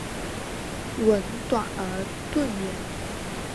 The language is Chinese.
吻短而钝圆。